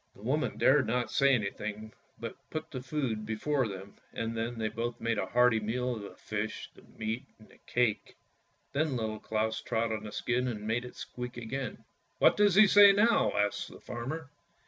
The woman dared not say anything, but put the food before them, and then they both made a hearty meal of the fish, the meat, and the cake. Then Little Claus trod on the skin and made it squeak again. " What does he say now? " asked the farmer.